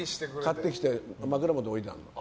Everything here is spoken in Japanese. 買ってきて、枕元に置いてあるの。